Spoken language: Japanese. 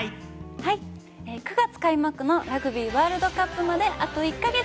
はい、９月開幕のラグビーワールドカップまであと１か月。